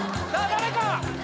誰か？